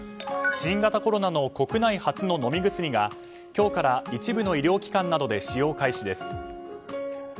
新型コロナの国内初の飲み薬が今日から一部の医療機関などで使用開始です。